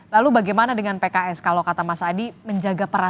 lalu bagaimana dengan pks kalau kata mas adi menjaga peran